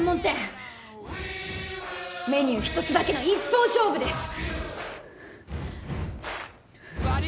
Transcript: メニュー１つだけの一本勝負です！